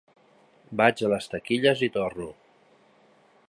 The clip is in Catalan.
Vaig a les taquilles i torno.